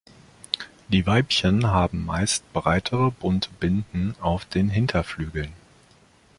Die Weibchen haben meist breitere bunte Binden auf den Hinterflügeln.